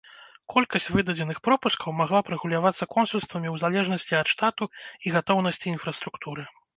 Колькасць выдадзеных пропускаў магла б рэгулявацца консульствамі ў залежнасці ад штату і гатоўнасці інфраструктуры.